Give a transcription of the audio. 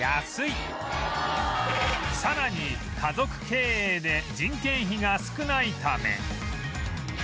さらに家族経営で人件費が少ないため